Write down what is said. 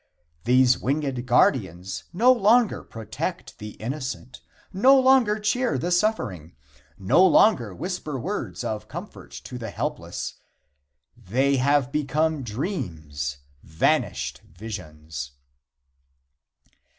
These winged guardians no longer protect the innocent; no longer cheer the suffering; no longer whisper words of comfort to the helpless. They have become dreams vanished visions.